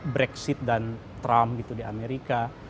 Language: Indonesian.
brexit dan trump gitu di amerika